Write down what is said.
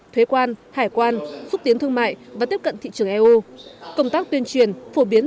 thuế quan hải quan xúc tiến thương mại và tiếp cận thị trường eu công tác tuyên truyền phổ biến